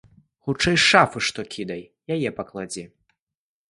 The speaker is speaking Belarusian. Хутчэй з шафы што кідай, яе пакладзі.